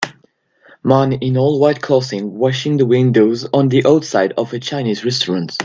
Man in all white clothing washing the windows on the outside of a chinese restaurant.